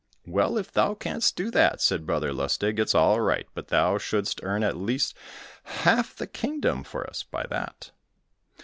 "Well, if thou canst do that," said Brother Lustig, "it's all right, but thou shouldst earn at least half the kingdom for us by that."